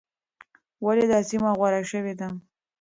ولې دا سیمه غوره شوې ده؟